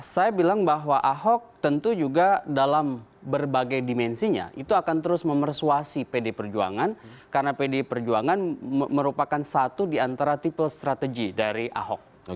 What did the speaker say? saya bilang bahwa ahok tentu juga dalam berbagai dimensinya itu akan terus memersuasi pd perjuangan karena pdi perjuangan merupakan satu di antara tiple strategy dari ahok